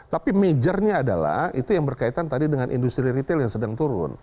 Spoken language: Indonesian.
tapi majornya adalah itu yang berkaitan tadi dengan industri retail yang sedang turun